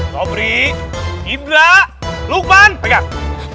sobri ibra lukman pegang